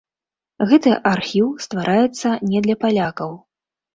Гэты архіў ствараецца не для палякаў.